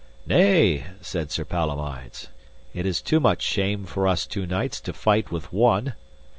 Nay, said Sir Palomides, it is too much shame for us two knights to fight with one.